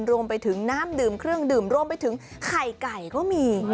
รวมไปถึงน้ำดื่มเครื่องดื่มรวมไปถึงไข่ไก่ก็มี